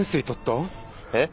えっ？